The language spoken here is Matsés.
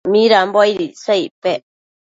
midambo aid icsa icpec ?